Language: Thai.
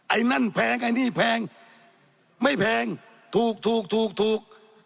ไอ้นั่นแพงไอ้นี่แพงไม่แพงถูกถูกถูก